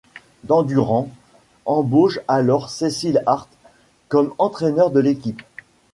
Dandurand embauche alors Cecil Hart comme entraîneur de l’équipe.